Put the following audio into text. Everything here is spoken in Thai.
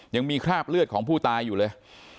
ยังมีคราบเลือดของผู้ตายอยู่เลย